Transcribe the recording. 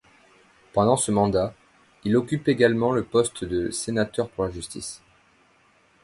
Pendant ce mandat, il occupe également le poste de sénateur pour la Justice.